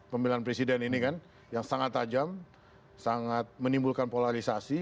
pemilihan presiden ini kan yang sangat tajam sangat menimbulkan polarisasi